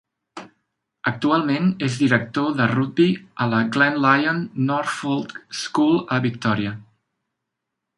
Actualment, és director de rugbi a la Glenlyon Norfolk School a Victòria.